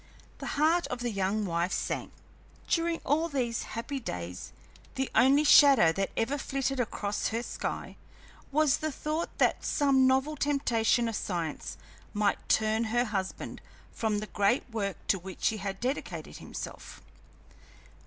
The heart of the young wife sank. During all these happy days the only shadow that ever flitted across her sky was the thought that some novel temptation of science might turn her husband from the great work to which he had dedicated himself.